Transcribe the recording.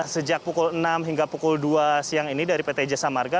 sejak pukul enam hingga pukul dua siang ini dari pt jasa marga